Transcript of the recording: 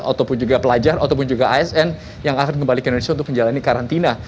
ataupun juga pelajar ataupun juga asn yang akan kembali ke indonesia untuk menjalani karantina